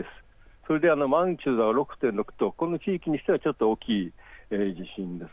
そしてマグニチュードが６．６というこの地域にしてはちょっと大きい地震です。